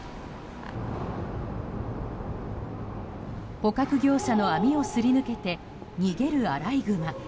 捕獲業者の網をすり抜けて逃げるアライグマ。